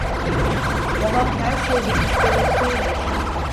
Daha her şey bitmiş demek değildir…